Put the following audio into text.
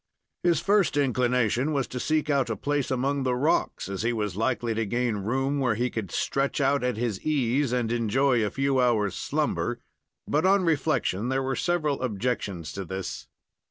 His first inclination was to seek out a place among the rocks, as he was likely to gain room where he could stretch out at his ease and enjoy a few hours' slumber, but, on reflection, there were several objections to this.